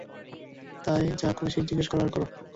তাই, যা খুশি জিজ্ঞাস করার করো।